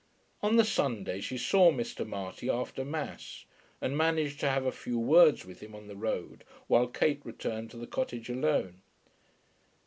On the Sunday she saw Mr. Marty after mass, and managed to have a few words with him on the road while Kate returned to the cottage alone.